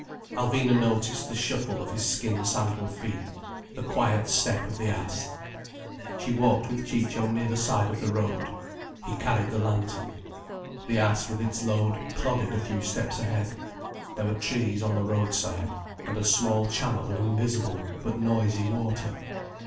Alvina noticed the shuffle of his skin sandalled feet, the quiet step of the ass. She walked with Ciccio near the side of the road. He carried the lantern. The ass with its load plodded a few steps ahead. There were trees on the road side, and a small channel of invisible but noisy water.